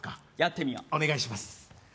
お願いします。